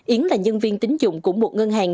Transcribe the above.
yến là nhân viên tính dụng của một ngân hàng